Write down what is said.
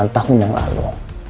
delapan tahun yang lalu